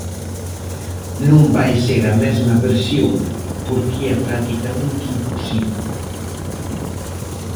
Non vai ser a mesma versión porque é practicamente imposible.